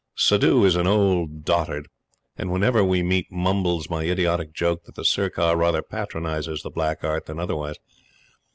Suddhoo is an old dotard; and whenever we meet mumbles my idiotic joke that the Sirkar rather patronizes the Black Art than otherwise.